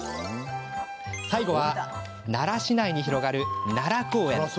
最後は、奈良市内に広がる奈良公園。